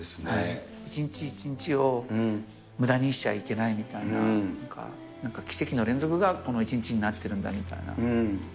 一日一日をむだにしちゃいけないみたいな、なんか奇跡の連続がこの一日になってるんだみたいな。